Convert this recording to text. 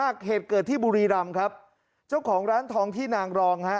เหตุเกิดที่บุรีรำครับเจ้าของร้านทองที่นางรองฮะ